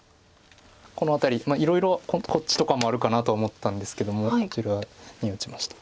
この辺りいろいろこっちとかもあるかなと思ったんですけどもこちらに打ちました。